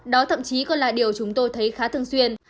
đó thậm chí còn là điều chúng tôi thấy khá thường xuyên